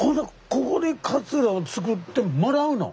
ここでカツラを作ってもらうの？